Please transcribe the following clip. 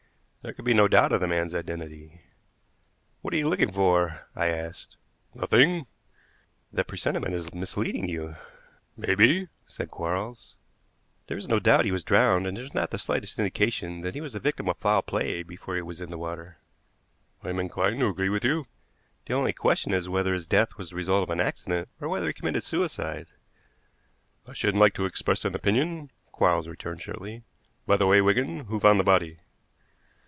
There could be no doubt of the man's identity. "What are you looking for?" I asked. "Nothing " "That presentiment is misleading you." "Maybe," said Quarles. "There is no doubt that he was drowned, and there is not the slightest indication that he was the victim of foul play before he was in the water." "I am inclined to agree with you." "The only question is whether his death was the result of an accident or whether he committed suicide." "I shouldn't like to express an opinion," Quarles returned shortly. "By the way, Wigan, who found the body?"